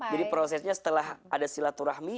jadi prosesnya setelah ada silaturahmi